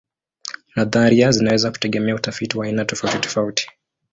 Nadharia zinaweza kutegemea utafiti wa aina tofautitofauti.